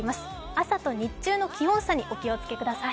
朝と日中の気温差にお気をつけください。